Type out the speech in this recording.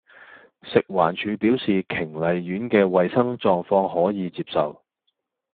食環署表示瓊麗苑既衛生狀況可以接受